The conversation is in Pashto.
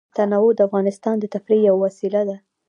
تنوع د افغانانو د تفریح یوه وسیله ده.